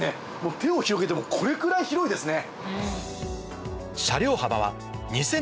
手を広げてもこれくらい広いですね。